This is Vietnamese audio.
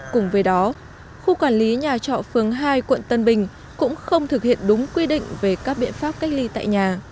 cùng với đó khu quản lý nhà trọ phường hai quận tân bình cũng không thực hiện đúng quy định về các biện pháp cách ly tại nhà